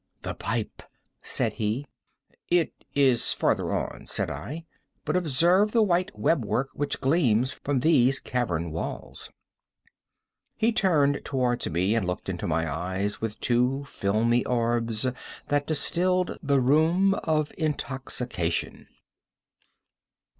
"The pipe," said he. "It is farther on," said I; "but observe the white web work which gleams from these cavern walls." He turned towards me, and looked into my eyes with two filmy orbs that distilled the rheum of intoxication.